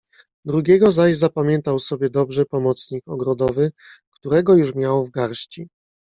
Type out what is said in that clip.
"Drugiego zaś zapamiętał sobie dobrze pomocnik ogrodowy, którego już miał w garści."